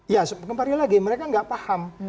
ya seperti keempatnya lagi mereka gak paham